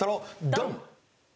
ドン！